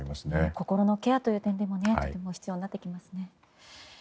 心のケアという点でも必要になってきますね。